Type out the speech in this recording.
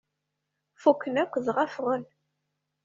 Fukken akk, dɣa ffɣen.